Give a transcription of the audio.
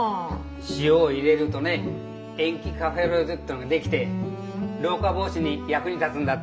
塩を入れるとね塩基カフェロイドっていうのができて老化防止に役に立つんだって。